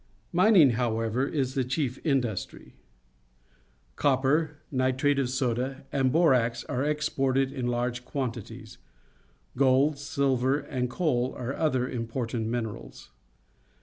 Mining, however, is the chief industry. Copper, nitrate of soda, and borax are ex BOLIVLl 157 ported in large quantities. Gold, silver, and coal are other important minerals.